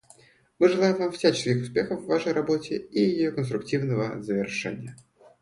Мы желаем Вам всяческих успехов в Вашей работе и ее конструктивного завершения.